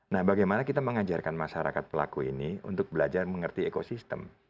nah bagaimana kita mengajarkan masyarakat pelaku ini untuk belajar mengerti ekosistem